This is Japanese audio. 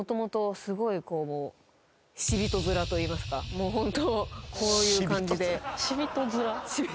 もうホントこういう感じで。